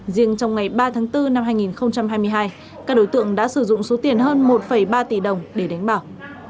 riêng trong ngày ba tháng bốn năm hai nghìn hai mươi hai các đối tượng đã sử dụng số tiền hơn một ba tỷ đồng để đánh bạc